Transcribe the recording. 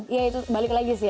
ya itu balik lagi sih